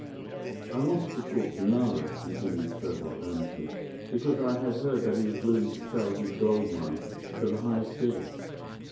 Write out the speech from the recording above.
"I wanted to talk to Nara," continued Serbot earnestly, "because I had heard that he was willing to sell his gold mine to the highest bidder.